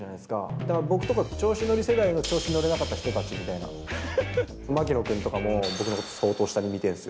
だから、僕とか調子乗り世代の調子乗れなかった世代とか。槙野君とかも、僕のこと相当下に見てるんですよ。